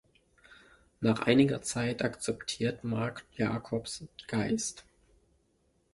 Nach einiger Zeit akzeptiert Mark Jacobs Geist.